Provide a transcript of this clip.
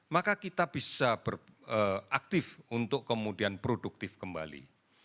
maka kita bisa beraktif untuk kemudian produktif kembali